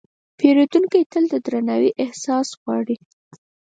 پیرودونکی تل د درناوي احساس غواړي.